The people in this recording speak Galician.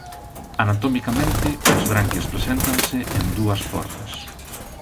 Anatomicamente as branquias preséntanse en dúas formas.